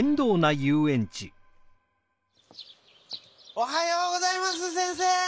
おはようございます先生！